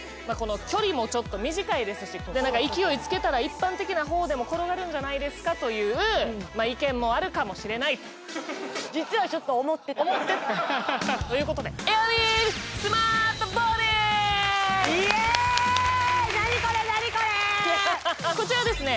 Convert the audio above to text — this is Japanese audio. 距離もちょっと短いですし勢いつけたら一般的な方でも転がるんじゃないですかというまあ意見もあるかもしれないとちょっとということでイエーイ何これ何これこちらはですね